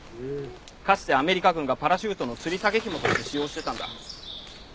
かつてアメリカ軍がパラシュートのつり下げひもとして使用していたんだ。